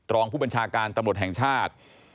รองผู้บัญชาการตำรวจแห่งชาติ